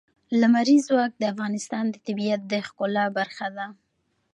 لمریز ځواک د افغانستان د طبیعت د ښکلا برخه ده.